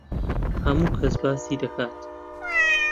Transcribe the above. هەموو کەس باسی دەکات.